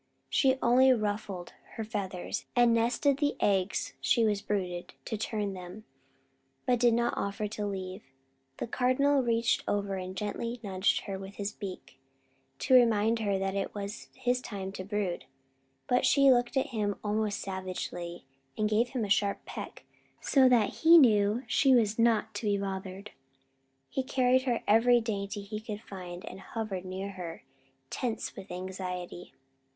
She only ruffled her feathers, and nestled the eggs she was brooding to turn them, but did not offer to leave. The Cardinal reached over and gently nudged her with his beak, to remind her that it was his time to brood; but she looked at him almost savagely, and gave him a sharp peck; so he knew she was not to be bothered. He carried her every dainty he could find and hovered near her, tense with anxiety.